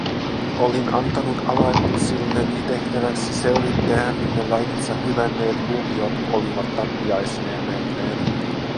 Olin antanut alaisilleni tehtäväksi selvittää, minne lajinsa hylänneet luopiot olivat tappiaisineen menneet.